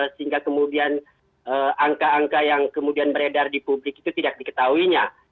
sehingga kemudian angka angka yang kemudian beredar di publik itu tidak diketahuinya